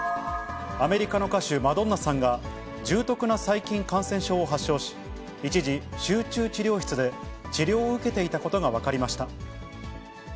アメリカの歌手、マドンナさんが、重篤な細菌感染症を発症し、一時、集中治療室で治療を受けていたことが分かりました。